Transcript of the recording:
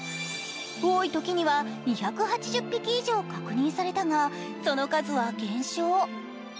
多いときには２８０匹以上確認されたがその数は減少。